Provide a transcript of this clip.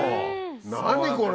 何これ！